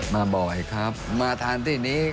มาบ่อยครับมาทานที่นี้